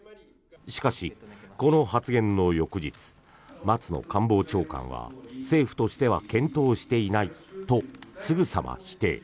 しかし、この発言の翌日松野官房長官は政府としては検討していないとすぐさま否定。